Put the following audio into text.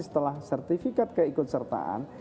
setelah sertifikat keikutsertaan